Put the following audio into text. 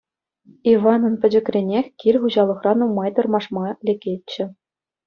Иванӑн пӗчӗкренех кил хуҫалӑхра нумай тӑрмашма лекетчӗ.